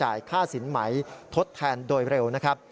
จ่ายค่าสินไหมทดแทนโดยเร็ว